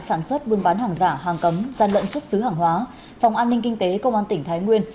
sản xuất buôn bán hàng giả hàng cấm gian lận xuất xứ hàng hóa phòng an ninh kinh tế công an tỉnh thái nguyên